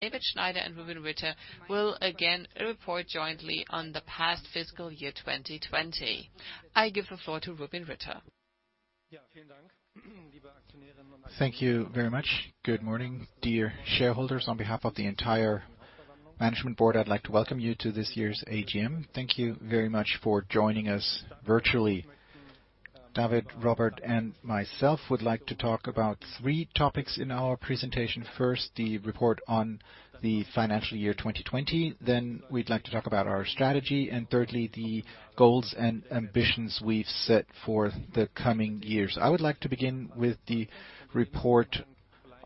David Schneider and Rubin Ritter will again report jointly on the past fiscal year 2020. I give the floor to Rubin Ritter. Thank you very much. Good morning, dear shareholders. On behalf of the entire management board, I'd like to welcome you to this year's AGM. Thank you very much for joining us virtually. David, Robert, and myself would like to talk about three topics in our presentation. First, the report on the financial year 2020, then we'd like to talk about our strategy, and thirdly, the goals and ambitions we've set for the coming years. I would like to begin with the report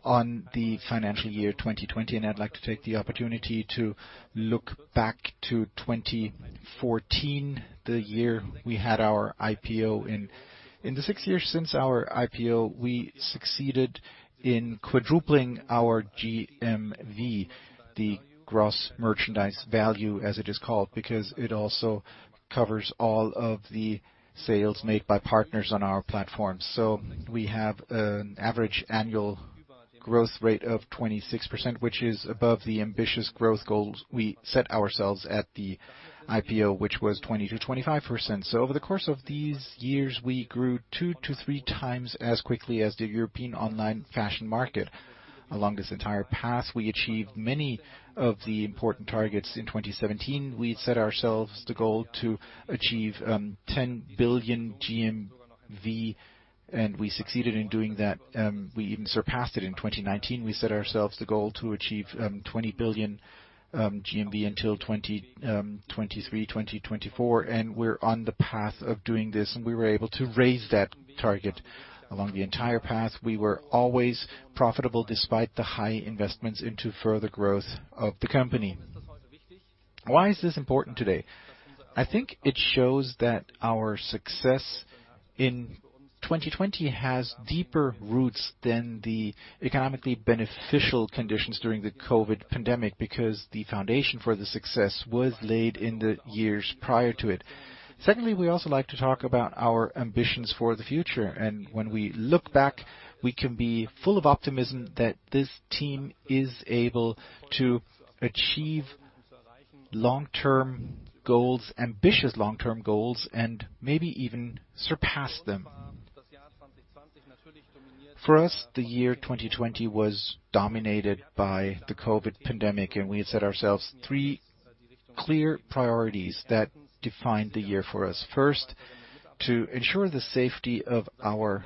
on the financial year 2020, and I'd like to take the opportunity to look back to 2014, the year we had our IPO. In the six years since our IPO, we succeeded in quadrupling our GMV, the gross merchandise value, as it is called, because it also covers all of the sales made by partners on our platform. We have an average annual growth rate of 26%, which is above the ambitious growth goals we set ourselves at the IPO, which was 20%-25%. Over the course of these years, we grew two to three times as quickly as the European online fashion market. Along this entire path, we achieved many of the important targets. In 2017, we set ourselves the goal to achieve 10 billion GMV, and we succeeded in doing that, and we even surpassed it. In 2019, we set ourselves the goal to achieve 20 billion GMV until 2023, 2024, and we're on the path of doing this, and we were able to raise that target. Along the entire path, we were always profitable despite the high investments into further growth of the company. Why is this important today? I think it shows that our success in 2020 has deeper roots than the economically beneficial conditions during the COVID pandemic, because the foundation for the success was laid in the years prior to it. Secondly, we also like to talk about our ambitions for the future. When we look back, we can be full of optimism that this team is able to achieve ambitious long-term goals and maybe even surpass them. For us, the year 2020 was dominated by the COVID pandemic, and we set ourselves three clear priorities that defined the year for us. First, to ensure the safety of our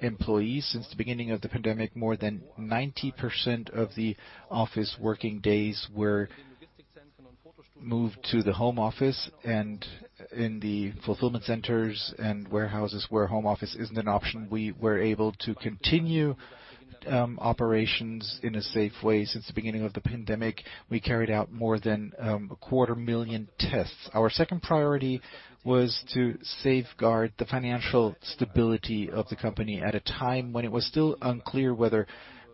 employees. Since the beginning of the pandemic, more than 90% of the office working days were moved to the home office, and in the fulfillment centers and warehouses where home office isn't an option, we were able to continue operations in a safe way. Since the beginning of the pandemic, we carried out more than a quarter million tests. Our second priority was to safeguard the financial stability of the company. At a time when it was still unclear whether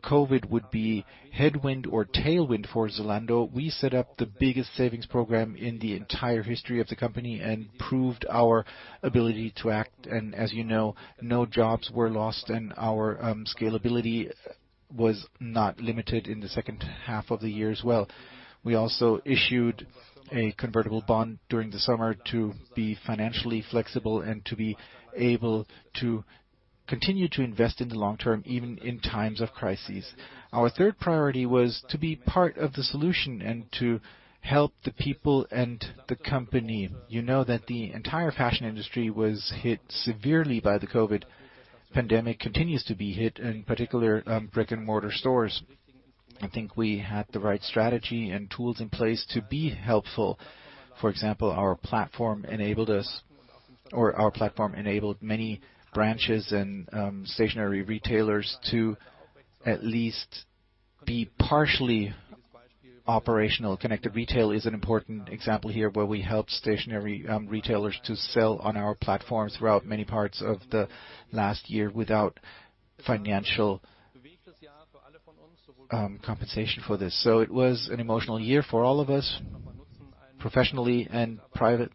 COVID would be headwind or tailwind for Zalando, we set up the biggest savings program in the entire history of the company and proved our ability to act. As you know, no jobs were lost, and our scalability was not limited in the second half of the year as well. We also issued a convertible bond during the summer to be financially flexible and to be able to continue to invest in the long term, even in times of crises. Our third priority was to be part of the solution and to help the people and the company. You know that the entire fashion industry was hit severely by the COVID pandemic, continues to be hit, in particular, brick-and-mortar stores. I think we had the right strategy and tools in place to be helpful. For example, our platform enabled many branches and stationary retailers to at least be partially operational. Connected Retail is an important example here, where we helped stationary retailers to sell on our platform throughout many parts of the last year without financial compensation for this. It was an emotional year for all of us, professionally and private,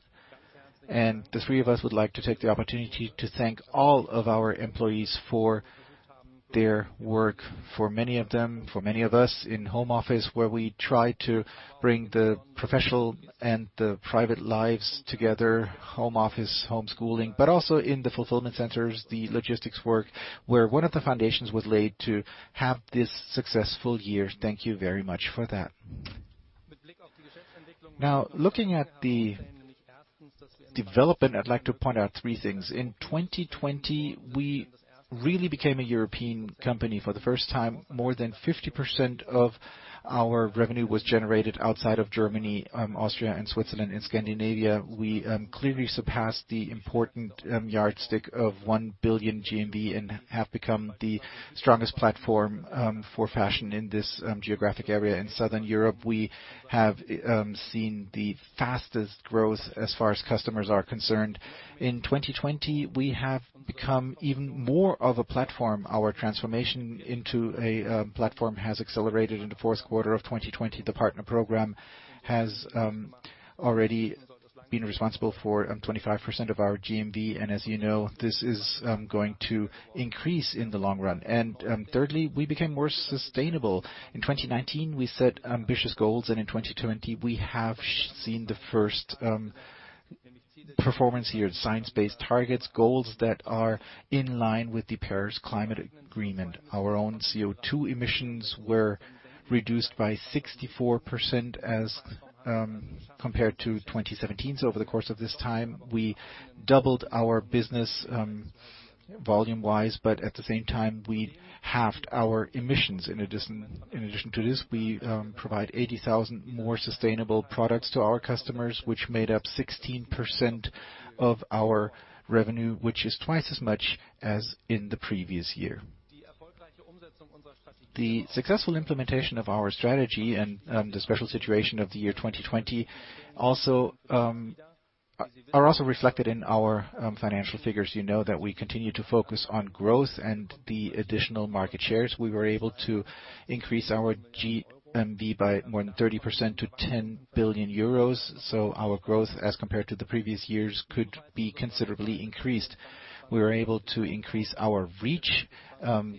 and the three of us would like to take the opportunity to thank all of our employees for their work. For many of them, for many of us in home office, where we try to bring the professional and the private lives together, home office, homeschooling, but also in the fulfillment centers, the logistics work, where one of the foundations was laid to have this successful year. Thank you very much for that. Now, looking at the development, I'd like to point out three things. In 2020, we really became a European company. For the first time, more than 50% of our revenue was generated outside of Germany, Austria, and Switzerland. In Scandinavia, we clearly surpassed the important yardstick of 1 billion GMV and have become the strongest platform for fashion in this geographic area. In Southern Europe, we have seen the fastest growth as far as customers are concerned. In 2020, we have become even more of a platform. Our transformation into a platform has accelerated. In the fourth quarter of 2020, the partner program has already been responsible for 25% of our GMV, as you know, this is going to increase in the long run. Thirdly, we became more sustainable. In 2019, we set ambitious goals, in 2020, we have seen the first performance here. science-based targets, goals that are in line with the Paris Agreement. Our own CO2 emissions were reduced by 64% as compared to 2017. Over the course of this time, we doubled our business volume-wise, but at the same time, we halved our emissions. In addition to this, we provide 80,000 more sustainable products to our customers, which made up 16% of our revenue, which is twice as much as in the previous year. The successful implementation of our strategy and the special situation of the year 2020 are also reflected in our financial figures. You know that we continue to focus on growth and the additional market shares. We were able to increase our GMV by more than 30% to 10 billion euros. Our growth as compared to the previous years could be considerably increased. We were able to increase our reach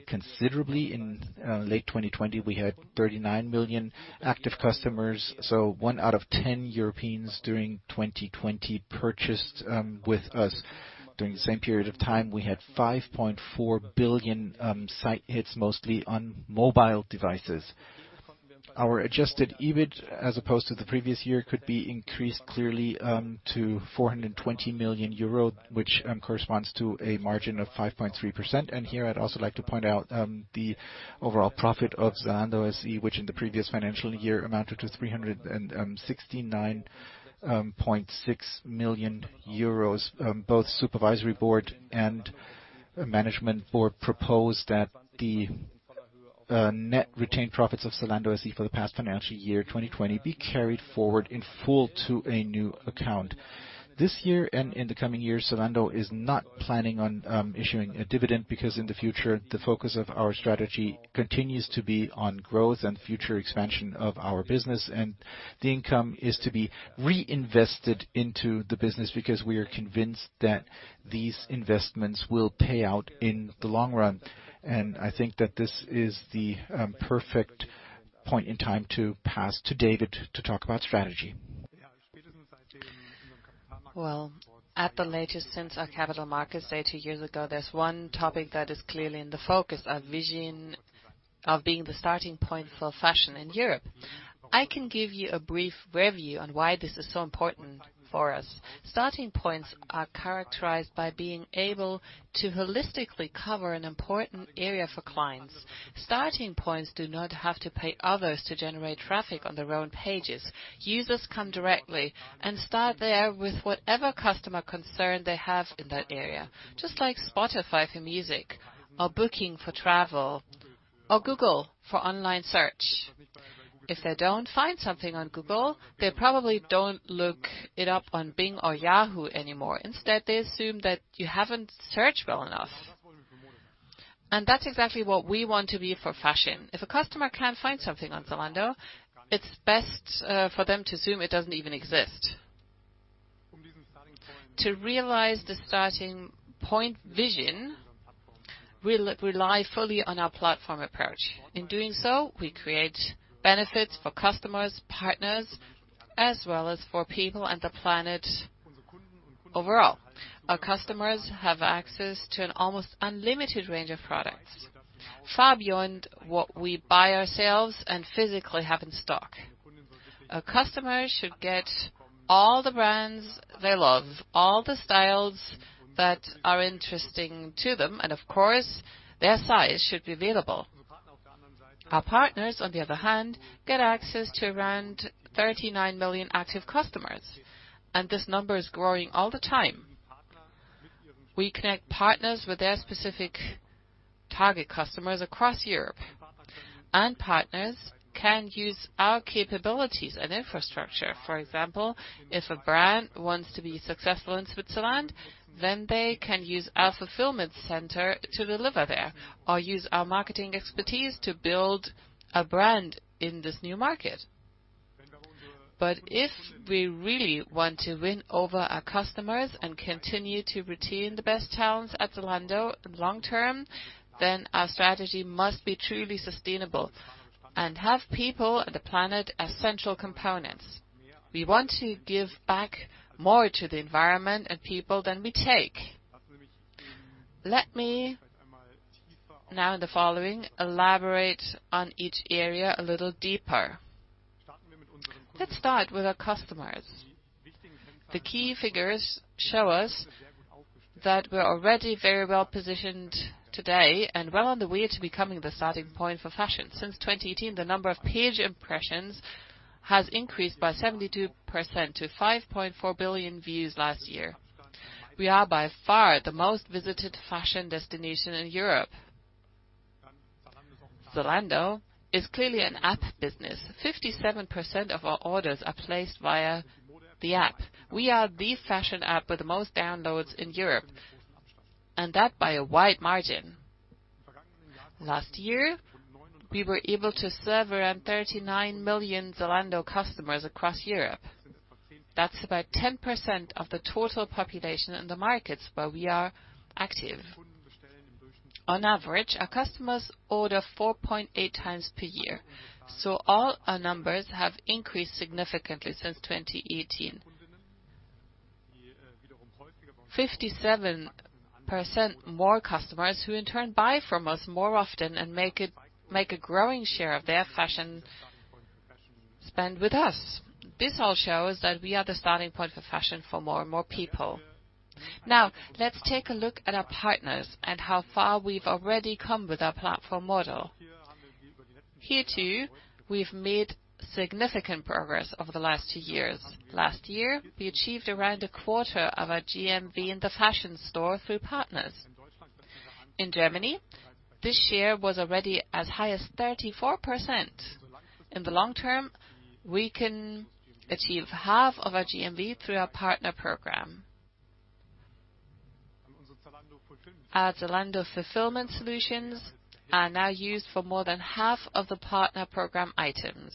considerably. In late 2020, we had 39 million active customers, so one out of 10 Europeans during 2020 purchased with us. During the same period of time, we had 5.4 billion site hits, mostly on mobile devices. Our adjusted EBIT, as opposed to the previous year, could be increased clearly to 420 million euro, which corresponds to a margin of 5.3%. Here I'd also like to point out the overall profit of Zalando SE, which in the previous financial year amounted to 369.6 million euros. Both supervisory board and management board proposed that the net retained profits of Zalando SE for the past financial year 2020 be carried forward in full to a new account. This year and in the coming years, Zalando is not planning on issuing a dividend because in the future, the focus of our strategy continues to be on growth and future expansion of our business, and the income is to be reinvested into the business because we are convinced that these investments will pay out in the long run. I think that this is the perfect point in time to pass to David to talk about strategy. Well, at the latest since our Capital Markets Day two years ago, there's one topic that is clearly in the focus, our vision of being the starting point for fashion in Europe. I can give you a brief review on why this is so important for us. Starting points are characterized by being able to holistically cover an important area for clients. Starting points do not have to pay others to generate traffic on their own pages. Users come directly and start there with whatever customer concern they have in that area. Just like Spotify for music or Booking for travel or Google for online search. If they don't find something on Google, they probably don't look it up on Bing or Yahoo anymore. Instead, they assume that you haven't searched well enough. That's exactly what we want to be for fashion. If a customer can't find something on Zalando, it's best for them to assume it doesn't even exist. To realize the starting point vision, we rely fully on our platform approach. In doing so, we create benefits for customers, partners, as well as for people and the planet overall. Our customers have access to an almost unlimited range of products, far beyond what we buy ourselves and physically have in stock. Our customers should get all the brands they love, all the styles that are interesting to them, and of course, their size should be available. Our partners, on the other hand, get access to around 39 million active customers, and this number is growing all the time. We connect partners with their specific target customers across Europe, and partners can use our capabilities and infrastructure. For example, if a brand wants to be successful in Switzerland, they can use our fulfillment center to deliver there or use our marketing expertise to build a brand in this new market. If we really want to win over our customers and continue to retain the best talents at Zalando long term, our strategy must be truly sustainable and have people and the planet as central components. We want to give back more to the environment and people than we take. Let me now in the following, elaborate on each area a little deeper. Let's start with our customers. The key figures show us that we're already very well positioned today and well on the way to becoming the starting point for fashion. Since 2018, the number of page impressions has increased by 72% to 5.4 billion views last year. We are by far the most visited fashion destination in Europe. Zalando is clearly an app business. 57% of our orders are placed via the app. We are the fashion app with the most downloads in Europe, and that by a wide margin. Last year, we were able to serve around 39 million Zalando customers across Europe. That's about 10% of the total population in the markets where we are active. On average, our customers order 4.8 times per year. All our numbers have increased significantly since 2018. 57% more customers who in turn buy from us more often and make a growing share of their fashion spend with us. This all shows that we are the starting point for fashion for more and more people. Let's take a look at our partners and how far we've already come with our platform model. Here, too, we've made significant progress over the last 2 years. Last year, we achieved around a quarter of our GMV in the fashion store through partners. In Germany, this year was already as high as 34%. In the long term, we can achieve half of our GMV through our partner program. Our Zalando Fulfillment Solutions are now used for more than half of the partner program items.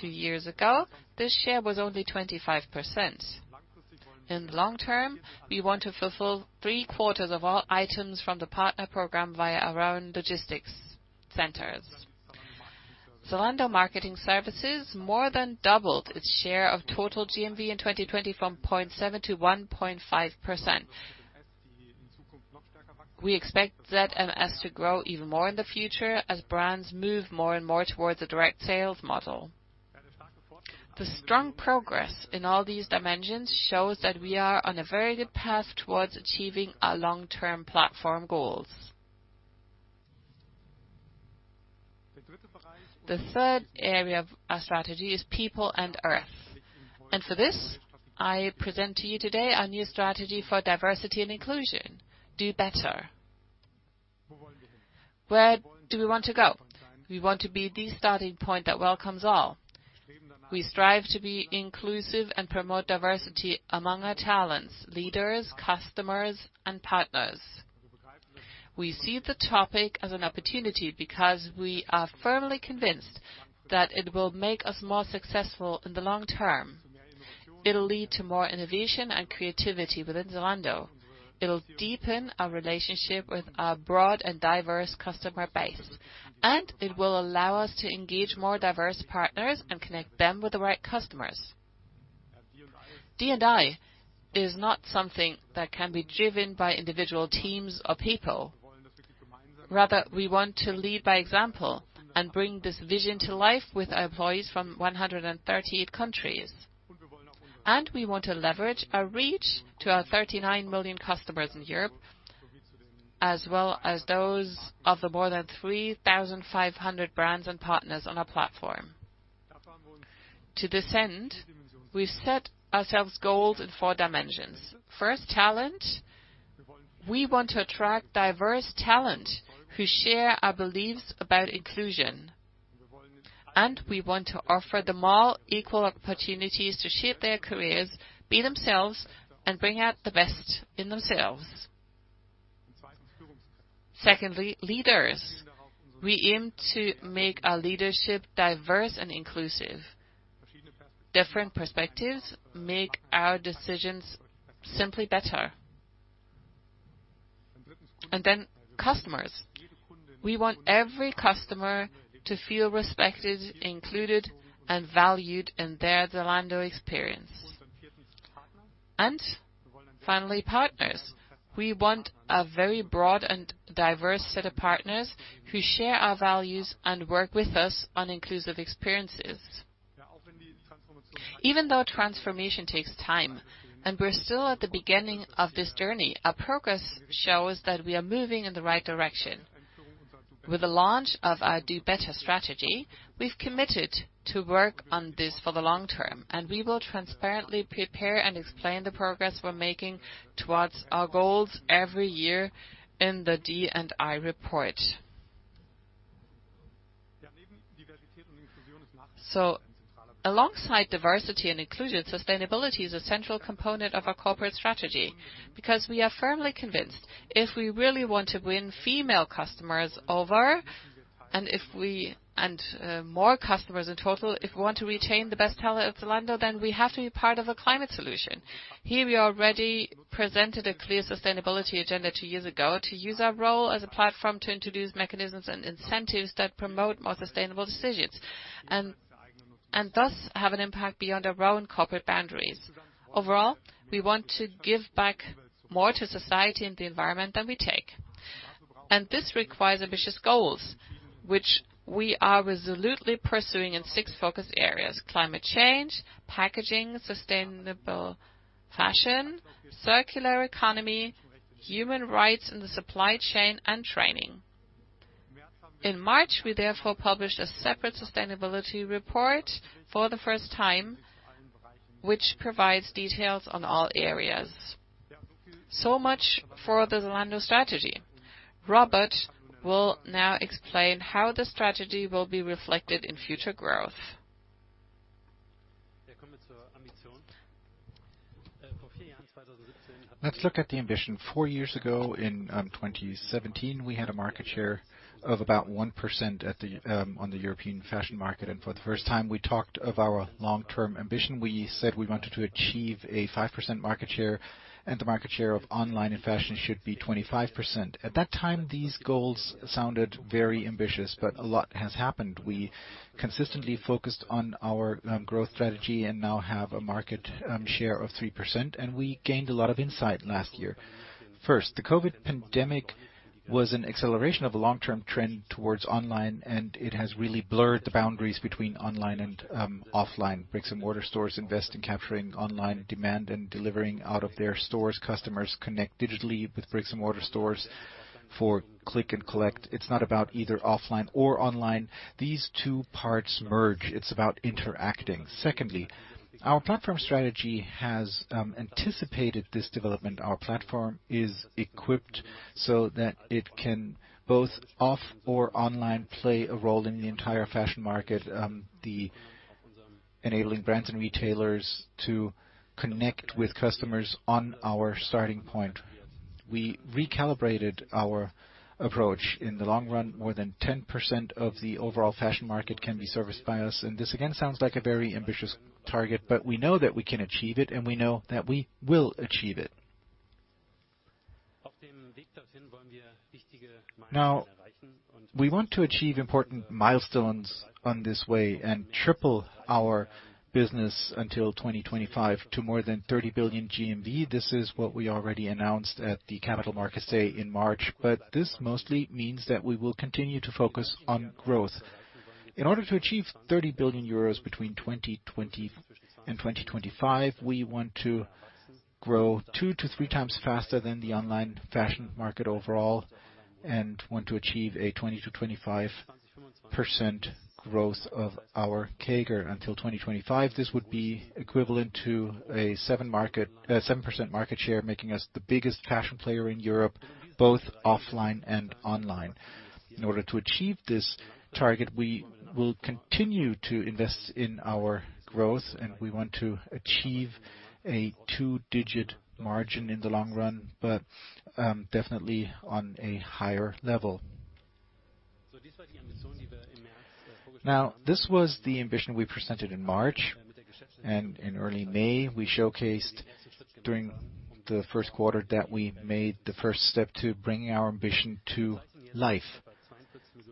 2 years ago, this year was only 25%. In the long term, we want to fulfill three-quarters of all items from the partner program via our own logistics centers. Zalando Marketing Services more than doubled its share of total GMV in 2020 from 0.7%-1.5%. We expect ZMS to grow even more in the future as brands move more and more towards the direct sales model. The strong progress in all these dimensions shows that we are on a very good path towards achieving our long-term platform goals. For this, I present to you today our new strategy for diversity and inclusion, do. BETTER. Where do we want to go? We want to be the starting point that welcomes all. We strive to be inclusive and promote diversity among our talents, leaders, customers, and partners. We see the topic as an opportunity because we are firmly convinced that it will make us more successful in the long term. It'll lead to more innovation and creativity within Zalando. It'll deepen our relationship with our broad and diverse customer base, and it will allow us to engage more diverse partners and connect them with the right customers. D&I is not something that can be driven by individual teams or people. Rather, we want to lead by example and bring this vision to life with our employees from 138 countries. We want to leverage our reach to our 39 million customers in Europe, as well as those of the more than 3,500 brands and partners on our platform. To this end, we've set ourselves goals in four dimensions. First, talent. We want to attract diverse talent who share our beliefs about inclusion, and we want to offer them all equal opportunities to shape their careers, be themselves, and bring out the best in themselves. Secondly, leaders. We aim to make our leadership diverse and inclusive. Different perspectives make our decisions simply better. Then customers. We want every customer to feel respected, included, and valued in their Zalando experience. Finally, partners. We want a very broad and diverse set of partners who share our values and work with us on inclusive experiences. Even though transformation takes time and we're still at the beginning of this journey, our progress shows that we are moving in the right direction. With the launch of our do. BETTER strategy, we've committed to work on this for the long term, and we will transparently prepare and explain the progress we're making towards our goals every year in the D&I report. Alongside diversity and inclusion, sustainability is a central component of our corporate strategy because we are firmly convinced if we really want to win female customers over and more customers in total, if we want to retain the best talent at Zalando, then we have to be part of a climate solution. Here, we already presented a clear sustainability agenda two years ago to use our role as a platform to introduce mechanisms and incentives that promote more sustainable decisions and thus have an impact beyond our own corporate boundaries. Overall, we want to give back more to society and the environment than we take. This requires ambitious goals, which we are resolutely pursuing in six focus areas: climate change, packaging, sustainable fashion, circular economy, human rights in the supply chain, and training. In March, we therefore published a separate sustainability report for the first time, which provides details on all areas. Much for the Zalando strategy. Robert will now explain how the strategy will be reflected in future growth. Let's look at the ambition. Four years ago, in 2017, we had a market share of about 1% on the European fashion market. For the first time, we talked of our long-term ambition. We said we wanted to achieve a 5% market share. The market share of online and fashion should be 25%. At that time, these goals sounded very ambitious. A lot has happened. We consistently focused on our growth strategy. Now have a market share of 3%. We gained a lot of insight last year. First, the COVID pandemic was an acceleration of a long-term trend towards online. It has really blurred the boundaries between online and offline. Bricks and mortar stores invest in capturing online demand and delivering out of their stores. Customers connect digitally with bricks and mortar stores for click and collect. It's not about either offline or online. These two parts merge. It's about interacting. Our platform strategy has anticipated this development. Our platform is equipped so that it can, both off or online, play a role in the entire fashion market, enabling brands and retailers to connect with customers on our starting point. We recalibrated our approach. In the long run, more than 10% of the overall fashion market can be serviced by us, and this, again, sounds like a very ambitious target, but we know that we can achieve it, and we know that we will achieve it. We want to achieve important milestones on this way and triple our business until 2025 to more than 30 billion GMV. This is what we already announced at the Capital Markets Day in March. This mostly means that we will continue to focus on growth. In order to achieve 30 billion euros between 2020 and 2025, we want to grow two to three times faster than the online fashion market overall and want to achieve a 20%-25% growth of our CAGR. Until 2025, this would be equivalent to a 7% market share, making us the biggest fashion player in Europe, both offline and online. In order to achieve this target, we will continue to invest in our growth. We want to achieve a two-digit margin in the long run, but definitely on a higher level. Now, this was the ambition we presented in March. In early May, we showcased during the first quarter that we made the first step to bringing our ambition to life.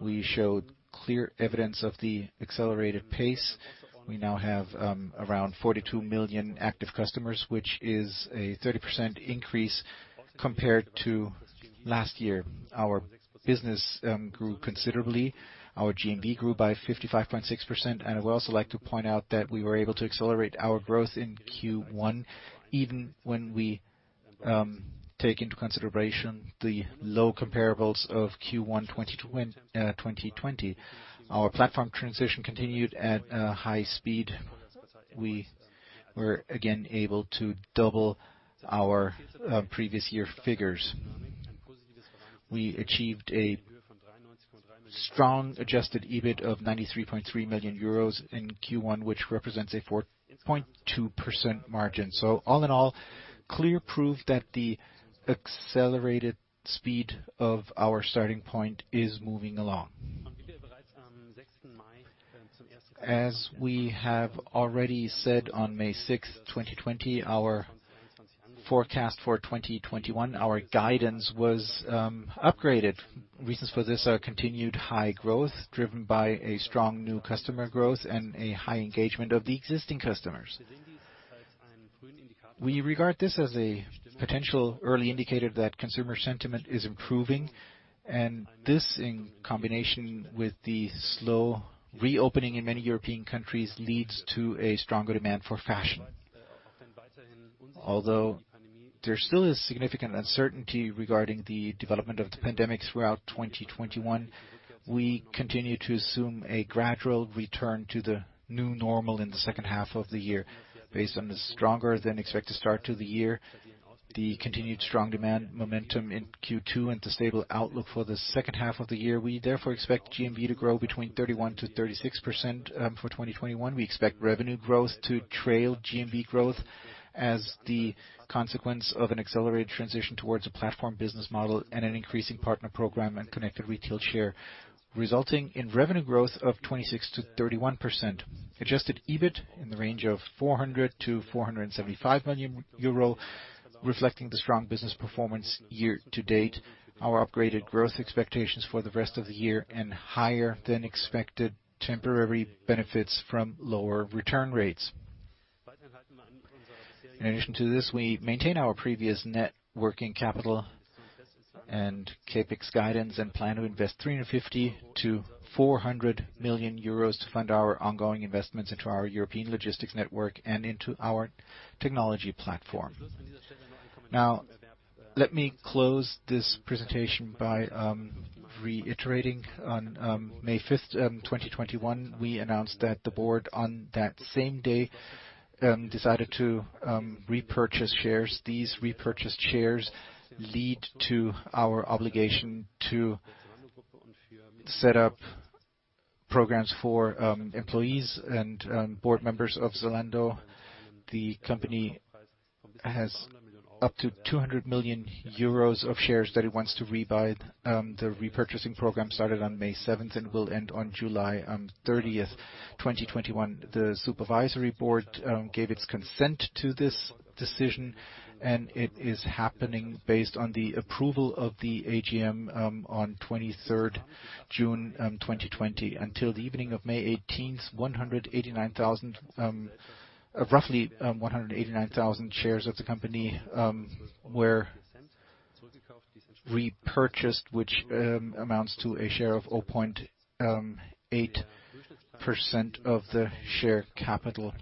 We showed clear evidence of the accelerated pace. We now have around 42 million active customers, which is a 30% increase compared to last year. Our business grew considerably. Our GMV grew by 55.6%, and I would also like to point out that we were able to accelerate our growth in Q1, even when we take into consideration the low comparables of Q1 2020. Our platform transition continued at a high speed. We were again able to double our previous year figures. We achieved a strong adjusted EBIT of 93.3 million euros in Q1, which represents a 4.2% margin. All in all, clear proof that the accelerated speed of our starting point is moving along. As we have already said on May 6th, 2020, our forecast for 2021, our guidance was upgraded. Reasons for this are continued high growth driven by a strong new customer growth and a high engagement of the existing customers. We regard this as a potential early indicator that consumer sentiment is improving, and this, in combination with the slow reopening in many European countries, leads to a stronger demand for fashion. Although there still is significant uncertainty regarding the development of the pandemic throughout 2021, we continue to assume a gradual return to the new normal in the second half of the year. Based on the stronger than expected start to the year, the continued strong demand momentum in Q2, and the stable outlook for the second half of the year, we therefore expect GMV to grow between 31%-36% for 2021. We expect revenue growth to trail GMV growth as the consequence of an accelerated transition towards a platform business model and an increasing partner program and Connected Retail share, resulting in revenue growth of 26%-31%. Adjusted EBIT in the range of 400 million-475 million euro, reflecting the strong business performance year to date, our upgraded growth expectations for the rest of the year, and higher than expected temporary benefits from lower return rates. In addition to this, we maintain our previous net working capital and CapEx guidance and plan to invest 350 million-400 million euros to fund our ongoing investments into our European logistics network and into our technology platform. Let me close this presentation by reiterating. On May 5th, 2021, we announced that the board on that same day decided to repurchase shares. These repurchased shares lead to our obligation to set up programs for employees and board members of Zalando. The company has up to 200 million euros of shares that it wants to rebuy. The repurchasing program started on May 7th and will end on July 30th, 2021. The supervisory board gave its consent to this decision, and it is happening based on the approval of the AGM on 23rd June 2020. Until the evening of May 18th, roughly 189,000 shares of the company were repurchased, which amounts to a share of 0.8% of the share capital.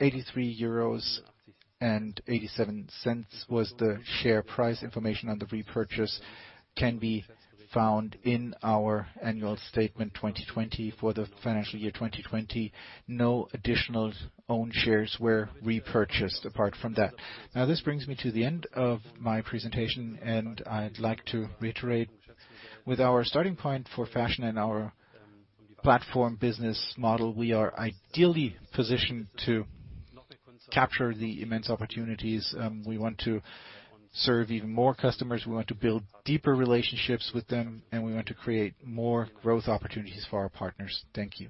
EUR 83.87 was the share price. Information on the repurchase can be found in our annual statement 2020 for the financial year 2020. No additional own shares were repurchased apart from that. This brings me to the end of my presentation, and I'd like to reiterate, with our starting point for fashion and our platform business model, we are ideally positioned to capture the immense opportunities. We want to serve even more customers, we want to build deeper relationships with them, and we want to create more growth opportunities for our partners. Thank you.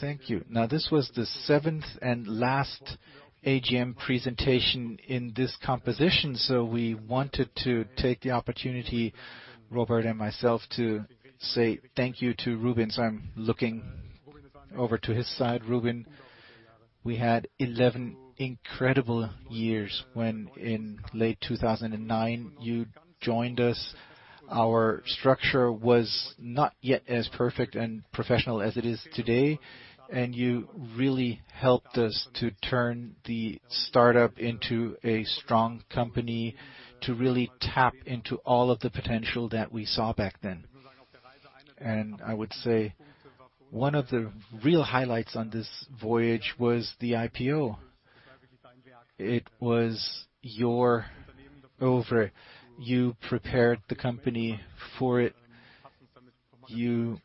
Thank you. This was the seventh and last AGM presentation in this composition, we wanted to take the opportunity, Robert and myself, to say thank you to Rubin Ritter. I'm looking over to his side. Rubin Ritter, we had 11 incredible years when in late 2009 you joined us. Our structure was not yet as perfect and professional as it is today, and you really helped us to turn the startup into a strong company, to really tap into all of the potential that we saw back then. I would say one of the real highlights on this voyage was the IPO. It was your offer. You prepared the company for it. You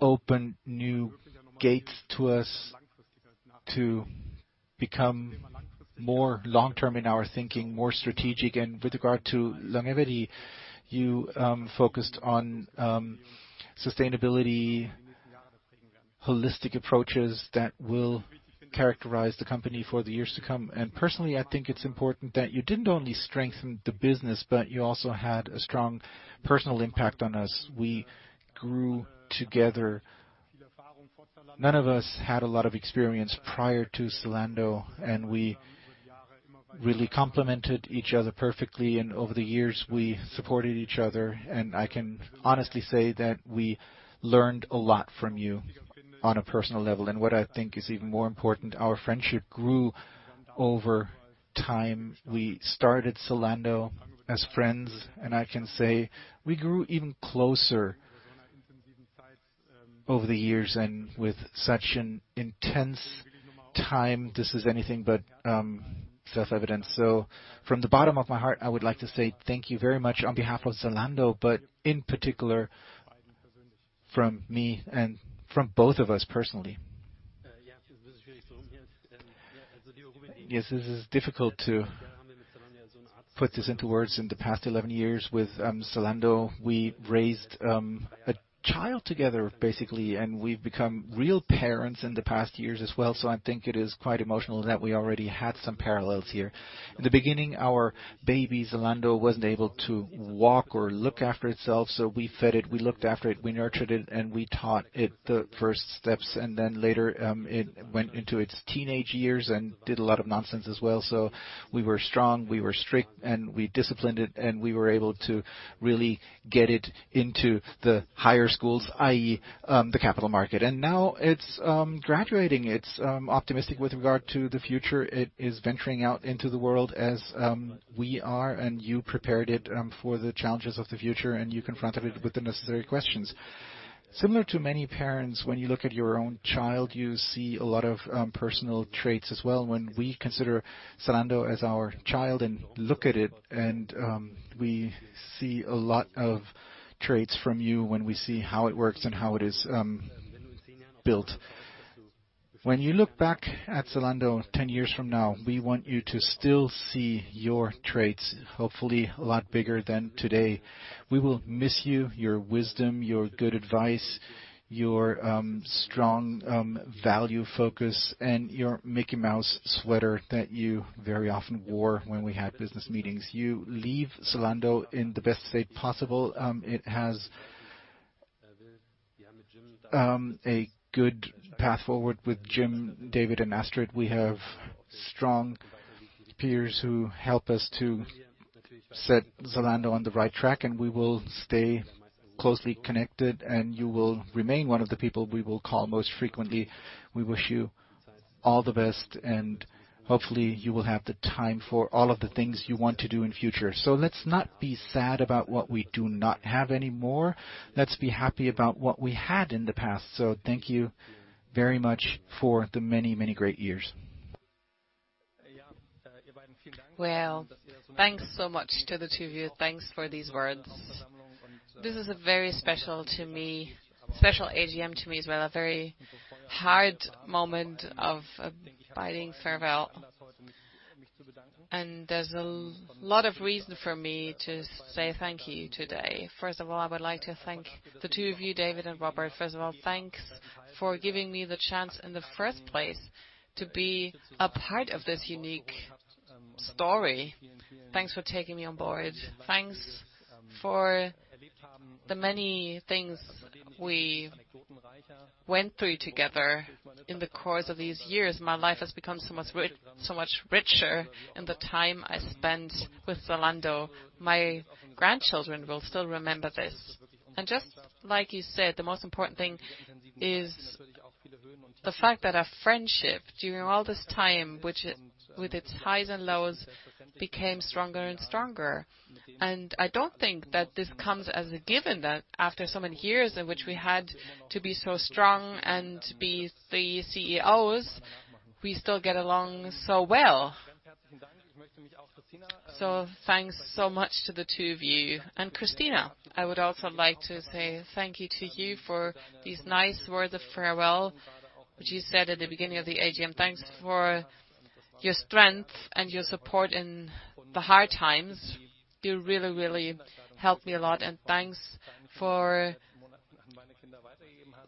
opened new gates to us to become more long-term in our thinking, more strategic. With regard to longevity, you focused on sustainability, holistic approaches that will characterize the company for the years to come. Personally, I think it’s important that you didn’t only strengthen the business, but you also had a strong personal impact on us. We grew together. None of us had a lot of experience prior to Zalando, and we really complemented each other perfectly, and over the years we supported each other, and I can honestly say that we learned a lot from you on a personal level. What I think is even more important, our friendship grew over time. We started Zalando as friends, and I can say we grew even closer over the years, and with such an intense time, this is anything but self-evident. From the bottom of my heart, I would like to say thank you very much on behalf of Zalando, but in particular from me and from both of us personally. Yes, this is difficult to put this into words. In the past 11 years with Zalando, we raised a child together, basically, and we've become real parents in the past years as well. I think it is quite emotional that we already had some parallels here. In the beginning, our baby, Zalando, wasn't able to walk or look after itself, so we fed it, we looked after it, we nurtured it, and we taught it the first steps, and then later it went into its teenage years and did a lot of nonsense as well. We were strong, we were strict, and we disciplined it, and we were able to really get it into the higher schools, i.e., the capital market. Now it's graduating, it's optimistic with regard to the future. It is venturing out into the world as we are, and you prepared it for the challenges of the future, and you confronted it with the necessary questions. Similar to many parents, when you look at your own child, you see a lot of personal traits as well. When we consider Zalando as our child and look at it, and we see a lot of traits from you when we see how it works and how it is built. When you look back at Zalando 10 years from now, we want you to still see your traits, hopefully a lot bigger than today. We will miss you, your wisdom, your good advice, your strong value focus, and your Mickey Mouse sweater that you very often wore when we had business meetings. You leave Zalando in the best state possible. It has a good path forward with Jim, David, and Astrid. We have strong peers who help us to set Zalando on the right track, and we will stay closely connected, and you will remain one of the people we will call most frequently. We wish you all the best, and hopefully, you will have the time for all of the things you want to do in the future. Let's not be sad about what we do not have anymore. Let's be happy about what we had in the past. Thank you very much for the many, many great years. Well, thanks so much to the two of you. Thanks for these words. This is a very special AGM to me as well, a very hard moment of bidding farewell. There's a lot of reason for me to say thank you today. First of all, I would like to thank the two of you, David and Robert. First of all, thanks for giving me the chance in the first place to be a part of this unique story. Thanks for taking me on board. Thanks for the many things we went through together in the course of these years. My life has become so much richer in the time I spent with Zalando. My grandchildren will still remember this. Just like you said, the most important thing is the fact that our friendship during all this time, with its highs and lows, became stronger and stronger. I don't think that this comes as a given, that after so many years in which we had to be so strong and to be CEOs, we still get along so well. Thanks so much to the two of you. Cristina, I would also like to say thank you to you for these nice words of farewell, which you said at the beginning of the AGM. Thanks for your strength and your support in the hard times. You really helped me a lot, and thanks for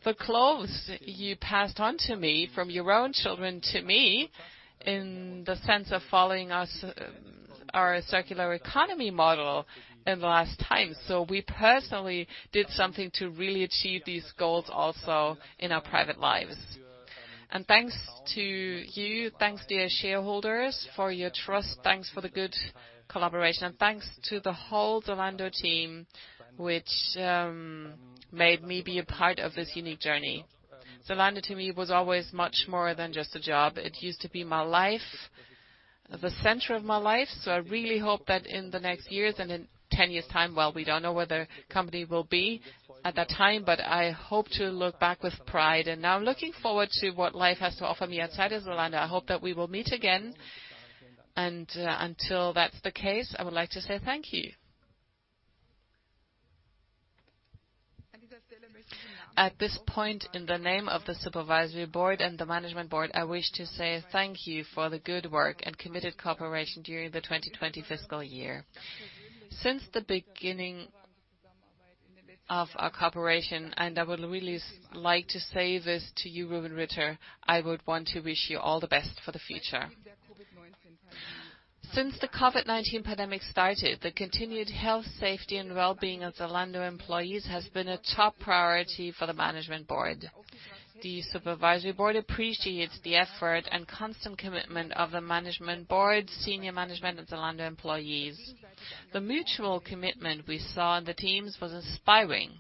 the clothes you passed on to me from your own children to me, in the sense of following our circular economy model in the last times. We personally did something to really achieve these goals also in our private lives. Thanks to you, thanks, dear shareholders, for your trust. Thanks for the good collaboration. Thanks to the whole Zalando team, which made me be a part of this unique journey. Zalando to me was always much more than just a job. It used to be my life, the center of my life. I really hope that in the next years and in 10 years' time, well, we don't know where the company will be at that time, but I hope to look back with pride. Now looking forward to what life has to offer me outside of Zalando. I hope that we will meet again, and until that's the case, I would like to say thank you. At this point in the name of the supervisory board and the management board, I wish to say thank you for the good work and committed cooperation during the 2020 fiscal year Since the beginning of our cooperation, I would really like to say this to you, Rubin Ritter, I would want to wish you all the best for the future. Since the COVID-19 pandemic started, the continued health, safety, and wellbeing of Zalando employees has been a top priority for the management board. The supervisory board appreciates the effort and constant commitment of the management board, senior management and Zalando employees. The mutual commitment we saw in the teams was inspiring.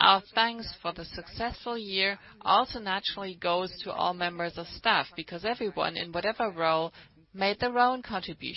Our thanks for the successful year also naturally goes to all members of staff because everyone, in whatever role, made their own contribution.